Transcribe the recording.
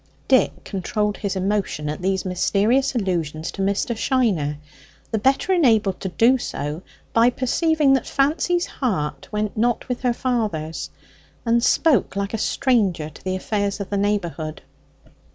Dick controlled his emotion at these mysterious allusions to Mr. Shiner, the better enabled to do so by perceiving that Fancy's heart went not with her father's and spoke like a stranger to the affairs of the neighbourhood.